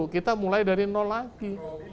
kita mulai dari nol lagi